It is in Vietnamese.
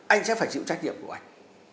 anh sẽ phải chịu trách nhiệm của anh